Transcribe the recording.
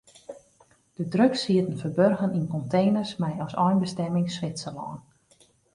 De drugs sieten ferburgen yn konteners mei as einbestimming Switserlân.